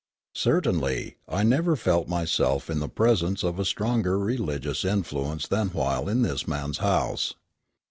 Certainly, I never felt myself in the presence of stronger religious influence than while in this man's house."